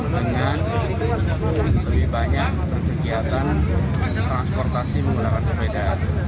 dengan lebih banyak kegiatan transportasi menggunakan sepeda